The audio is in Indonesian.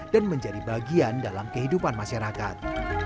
dan menjadi bagian dalam kehidupan masyarakat